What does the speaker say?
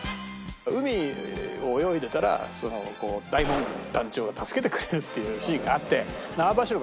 海を泳いでたら大門団長が助けてくれるっていうシーンがあって。